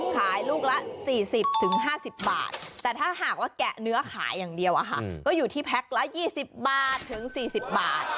ขายลูกละ๔๐๕๐บาทแต่ถ้าหากว่าแกะเนื้อขายอย่างเดียวก็อยู่ที่แพ็คละ๒๐บาทถึง๔๐บาท